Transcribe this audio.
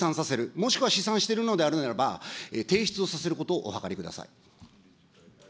もしくは試算しているのであるならば、提出をさせることをお諮り